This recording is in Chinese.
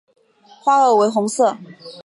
花萼为红色。